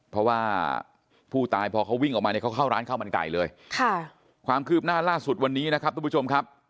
เพราะว่าผู้ตายพอเขาวิ่งออกมาเนี่ยเขาเข้าร้านข้าวมันไก่เลยค่ะความคืบหน้าล่าสุดวันนี้นะครับทุกผู้ชมครับ